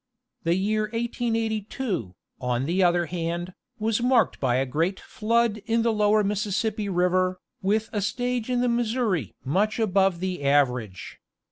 The year 1882, on the other hand, was marked by a great flood in the lower Missis Sippi river, with a stage in the Missouri much above the average.